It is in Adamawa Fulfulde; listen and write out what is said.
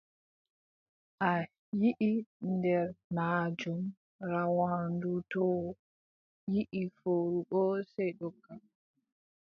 A yiʼi nder maajum, rawaandu too yiʼi fowru boo, sey dogga.